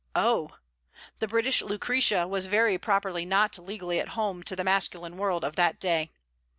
Oh! The British Lucretia was very properly not legally at home to the masculine world of that day.